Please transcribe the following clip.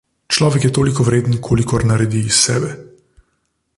Človek je toliko vreden, kolikor naredi iz sebe.